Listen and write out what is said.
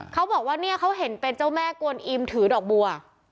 เขาบอกว่าเนี่ยเขาเห็นเป็นเจ้าแม่กวนอิมถือดอกบัว